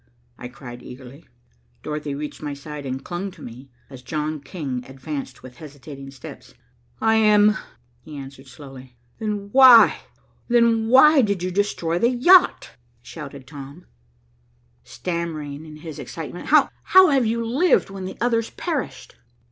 I cried eagerly. Dorothy reached my side and clung to me as John King advanced with hesitating steps. "I am," he answered slowly. "Then why then why did you destroy the yacht?" shouted Tom, stammering in his excitement. "How how have you lived when the others perished?"